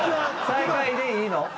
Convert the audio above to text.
最下位でいいの？